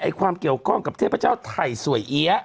ความเกี่ยวข้องกับเทพเจ้าไทยสวยเอี๊ยะ